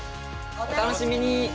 お楽しみに！